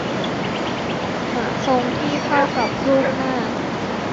หาทรงที่เข้ากับรูปหน้า